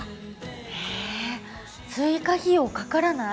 へえ追加費用かからない。